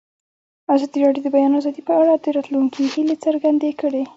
ازادي راډیو د د بیان آزادي په اړه د راتلونکي هیلې څرګندې کړې.